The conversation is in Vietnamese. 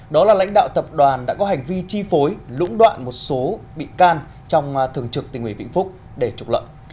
đó là lãnh đạo tập đoàn đã có hành vi chi phối lũng đoạn một số bị can trong thường trực tình ủy vĩnh phúc để trục lợi